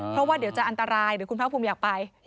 เพราะว่าเดี๋ยวจะอันตรายเดี๋ยวคุณพระอภูมิอยากไป